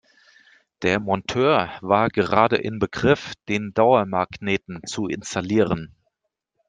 Der Monteur war gerade in Begriff, den Dauermagneten zu installieren.